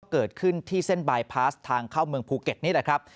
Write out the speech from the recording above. เกิดขึ้นที่เส้นบายพาสทางเข้าเมืองภูเก็ตนี่แหละครับ